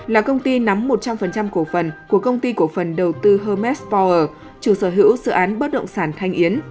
là công ty nắm một trăm linh cổ phần của công ty cổ phần đầu tư hermes power chủ sở hữu sự án bất động sản thanh yến